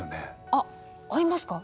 あっありますか？